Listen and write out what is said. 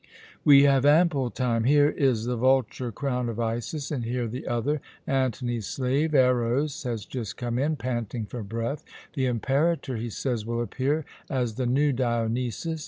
We have ample time. Here is the vulture crown of Isis, and here the other. Antony's slave, Eros, has just come in, panting for breath. The Imperator, he says, will appear as the new Dionysus.